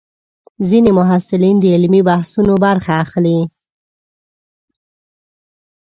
ځینې محصلین د علمي بحثونو برخه اخلي.